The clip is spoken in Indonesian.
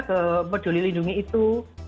ke peduli lindungi itu